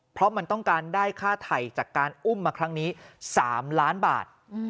เพราะมันต้องการได้ค่าไถ่จากการอุ้มมาครั้งนี้๓ล้านบาท